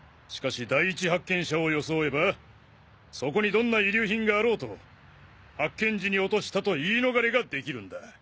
しかし第一発見者を装えばそこにどんな遺留品があろうと発見時に落としたと言い逃れができるんだ。